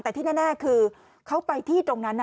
แต่ที่แน่คือเขาไปที่ตรงนั้น